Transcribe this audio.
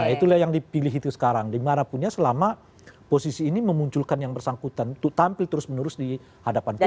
nah itulah yang dipilih itu sekarang dimanapunnya selama posisi ini memunculkan yang bersangkutan untuk tampil terus menerus di hadapan publik